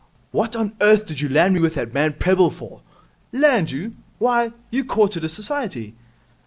'What on earth did you land me with that man Prebble for?' 'Land you! Why, you courted his society.